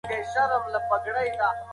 د اولاد ښه روزنه وکړئ.